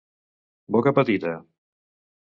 Boca petita.